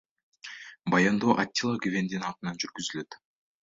Баяндоо Атилла Гүвендин атынан жүргүзүлөт.